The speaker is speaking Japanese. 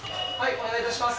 お願いいたします。